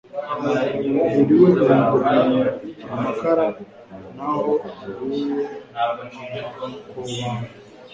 Umubili we uhinduka amakara n'aho aguye arakobana